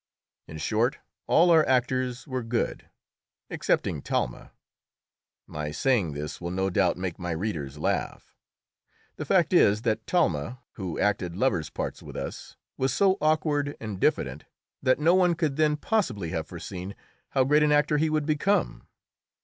In short, all our actors were good excepting Talma. My saying this will no doubt make my readers laugh. The fact is, that Talma, who acted lovers' parts with us, was so awkward and diffident that no one could then possibly have foreseen how great an actor he would become.